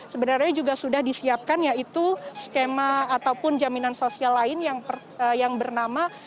sebenarnya juga sudah disiapkan yaitu skema ataupun jaminan sosial lain yang bernama